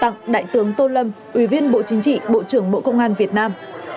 tặng đại tướng tô lâm ủy viên bộ chính trị bộ trưởng bộ công an việt nam